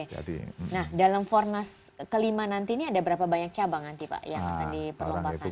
dalam fornas kelima nanti ini ada berapa banyak cabangan yang akan diperlombakan